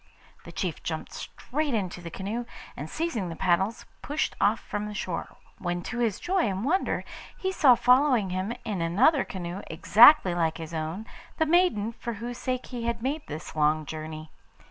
The chief jumped straight into the canoe, and seizing the paddles pushed off from the shore, when to his joy and wonder he saw following him in another canoe exactly like his own the maiden for whose sake he had made this long journey.